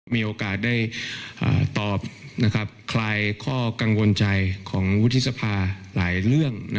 มีโอกาสได้ตอบคลายข้อกังวลใจของวุฒิสภาหลายเรื่อง